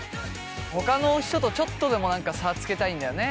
ほかの人とちょっとでも差つけたいんだよね